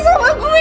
kenapa lo jangan